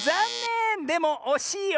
でもおしいよ。